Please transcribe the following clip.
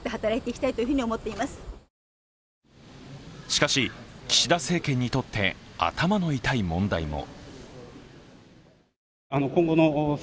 しかし、岸田政権にとって頭の痛い問題も。